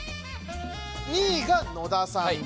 ２位が野田さんです。